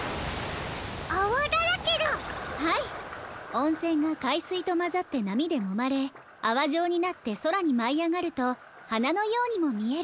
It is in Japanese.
おんせんがかいすいとまざってなみでもまれあわじょうになってそらにまいあがるとはなのようにもみえる。